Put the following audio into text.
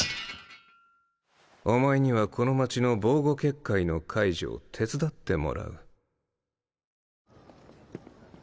お前にはこの街の防護結界の解除を手伝ってもらう。